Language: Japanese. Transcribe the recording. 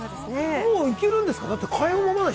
もういけるんですか？